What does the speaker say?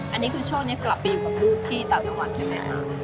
อันนี้คือช่วงนี้กลับไปอยู่กับลูกที่ต่างจังหวัดใช่ไหม